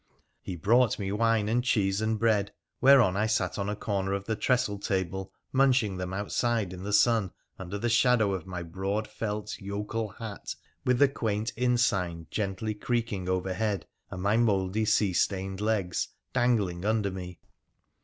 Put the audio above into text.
He brought me wine and cheese and bread, whereon I sat on a corner of the trestle table munching them outside in the sun under shadow of my broad felt yokel hat, with the quaint inn sign gently creaking b2 244 WONDERFUL ADVENTURES OF overhead, and my mouldy sea stained legs dangling uncle* me.